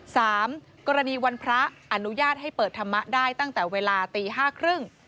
สามกรณีวันพระอนุญาตให้เปิดธรรมะได้ตั้งแต่เวลาตีห้าครึ่ง